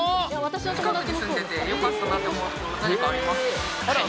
近くに住んでてよかったなと思うことは何かありますか？